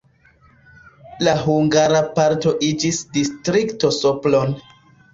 La hungara parto iĝis Distrikto Sopron.